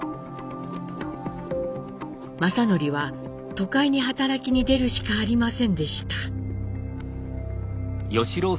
正徳は都会に働きに出るしかありませんでした。